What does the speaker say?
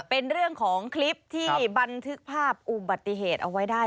เป็นเรื่องของคลิปที่บันทึกภาพอุบัติเหตุเอาไว้ได้